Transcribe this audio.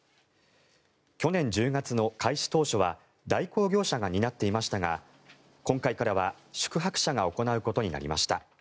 去年１０月の開始当初は代行業者が担っていましたが今回からは宿泊者が行うことになりました。